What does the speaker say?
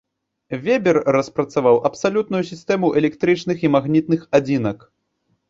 Вебер распрацаваў абсалютную сістэму электрычных і магнітных адзінак.